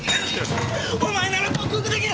お前なら克服できる。